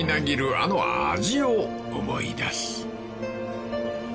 あの味を思い出す］